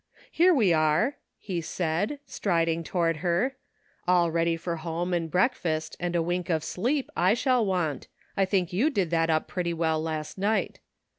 " Here we are," he said, striding toward her, " all ready for home and breakfast and a wink of sleep, I shall want. I think you did that up pretty well last night.